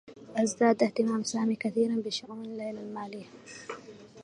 ازداد اهتمام سامي كثيرا بشؤون ليلى الماليّة.